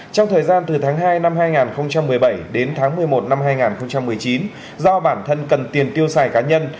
trong thời gian từ tháng hai năm hai nghìn một mươi bảy đến tháng một mươi một năm hai nghìn một mươi chín do bản thân cần tiền tiêu xài cá nhân